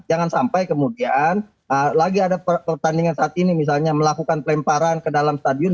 jangan sampai kemudian lagi ada pertandingan saat ini misalnya melakukan pelemparan ke dalam stadion